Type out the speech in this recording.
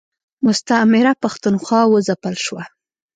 مستعمره پښتونخوا و ځپل شوه.